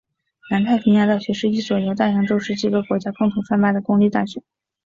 南太平洋大学是一所由大洋洲十几个国家共同创办的公立大学。